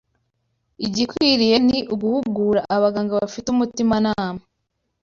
Igikwiriye ni uguhugura abaganga bafite umutimanama